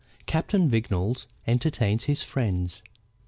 CAPTAIN VIGNOLLES ENTERTAINS HIS FRIENDS.